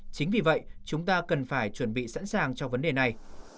chính vì vậy chúng ta cần phải chuẩn bị sẵn sàng cho vấn đề này